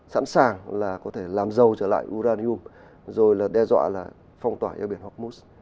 sẵn sàng là có thể làm dâu trở lại uranium rồi là đe dọa là phong tỏa yêu biển hormuz